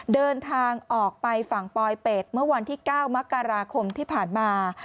เดินทางออกไปฝั่งปลอยเป็ดเมื่อวันที่๙มกราคมที่ผ่านมา